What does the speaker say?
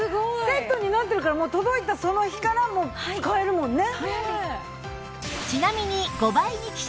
セットになってるからもう届いたその日から使えるもんね。